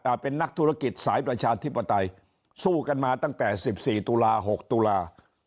เป็นนักธุรกิจสายประชาธิปไตยสู้กันมาตั้งแต่สิบสี่ตุลาหกตุลา